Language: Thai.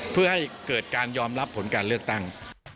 เพื่อให้เกิดการยอมรับผลการเลือกตั้ง